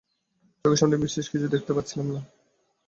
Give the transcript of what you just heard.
চোখের সামনে বিশেষ কিছুই দেখতে পাচ্ছিলাম না।